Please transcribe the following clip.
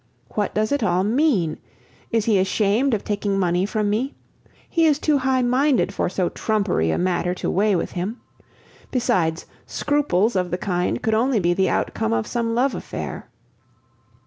What does it all mean? Is he ashamed of taking money from me? He is too high minded for so trumpery a matter to weigh with him. Besides, scruples of the kind could only be the outcome of some love affair.